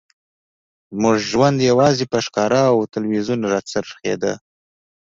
زموږ ژوند یوازې په ښکار او تلویزیون راڅرخیده